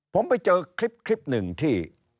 ผมไปเจอคลิปหนึ่งที่